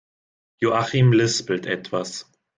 Joachim lispelt etwas.